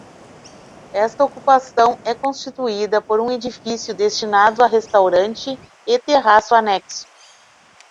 Esta ocupação é constituída por um edifício destinado a restaurante e terraço anexo.